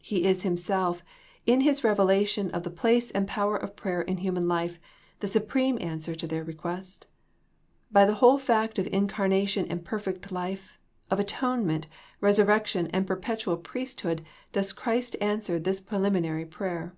He is Himself, in His revelation of the place and power of prayer in human life, the supreme answer to their request. By the whole fact of incarnation and perfect life, of atonement, resurrection and perpetual priesthood does Christ answer this pre liminary prayer.